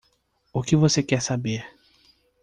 O que você quer saber?